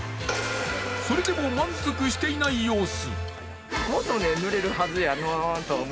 それでも満足していない様子。